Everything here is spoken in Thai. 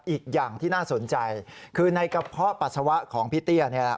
อีกอย่างที่น่าสนใจคือในกระเพาะปัสสาวะของพี่เตี้ยเนี่ยแหละ